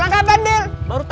aku anterin ya